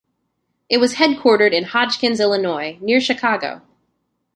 It was headquartered in Hodgkins, Illinois, near Chicago.